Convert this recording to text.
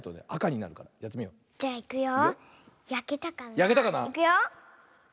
いくよ。